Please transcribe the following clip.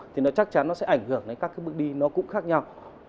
thì chắc chắn nó sẽ ảnh hưởng đến các bước đi nó cũng khác nhau